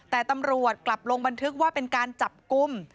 แต่ตำรวจกลับลงบันทึกว่าเป็นการจับกลุ่ม